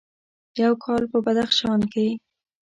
یو کال په بدخشان کې: